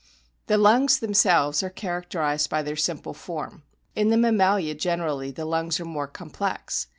The lungs them selves are characterised by their simple form. In the mammalia generally the lungs are more complex.